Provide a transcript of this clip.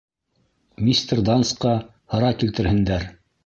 Мистер Дансҡа һыра килтерһендәр.